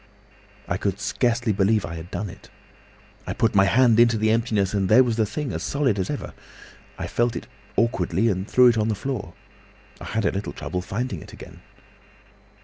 "I could scarcely believe I had done it. I put my hand into the emptiness, and there was the thing as solid as ever. I felt it awkwardly, and threw it on the floor. I had a little trouble finding it again.